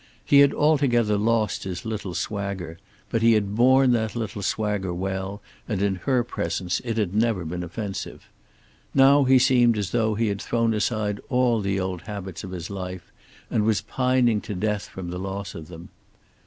He had altogether lost his little swagger; but he had borne that little swagger well, and in her presence it had never been offensive. Now he seemed as though he had thrown aside all the old habits of his life, and was pining to death from the loss of them.